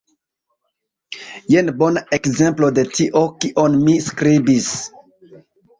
Jen bona ekzemplo de tio, kion mi skribis.